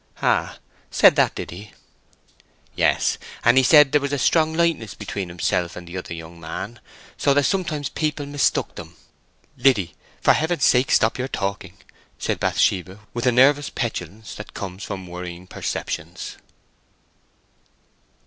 '" "Ah! Said that, did he?" "Yes; and he said there was a strong likeness between himself and the other young man, so that sometimes people mistook them—" "Liddy, for Heaven's sake stop your talking!" said Bathsheba, with the nervous petulance that comes from worrying perceptions.